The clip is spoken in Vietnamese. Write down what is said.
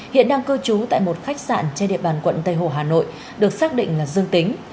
hiện đang cư trú tại một khách sạn trên địa bàn quận tây hồ hà nội được xác định là dương tính